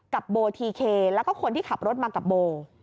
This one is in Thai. โบทีเคแล้วก็คนที่ขับรถมากับโบ